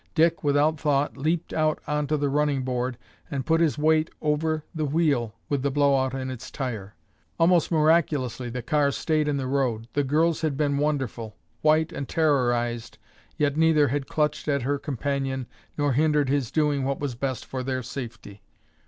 Dick, without thought, leaped out onto the running board and put his weight over the wheel with the blow out in its tire. Almost miraculously the car stayed in the road. The girls had been wonderful. White and terrorized, yet neither had clutched at her companion, nor hindered his doing what was best for their safety.